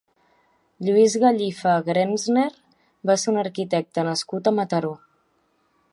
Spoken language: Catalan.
Lluís Gallifa Grenzner va ser un arquitecte nascut a Mataró.